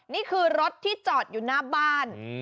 นี่คือรถที่จอดอยู่หน้าบ้าน